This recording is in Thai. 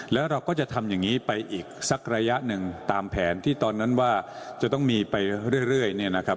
แล้วเราก็จะทำอย่างนี้ไปอีกสักระยะหนึ่งตามแผนที่ตอนนั้นว่าจะต้องมีไปเรื่อยเนี่ยนะครับ